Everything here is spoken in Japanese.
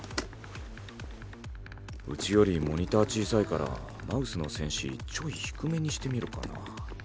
うちよりモニター小さいからマウスのセンシちょい低めにしてみるかな。